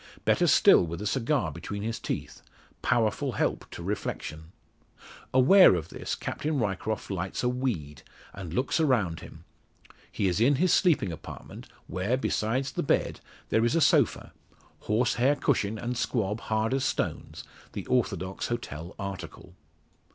Better still with a cigar between his teeth powerful help to reflection. Aware of this, Captain Ryecroft lights a "weed," and looks around him. He is in his sleeping apartment, where, besides the bed, there is a sofa horsehair cushion and squab hard as stones the orthodox hotel article.